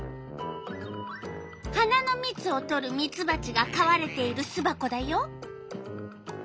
花のみつをとるミツバチがかわれているすばこだよ。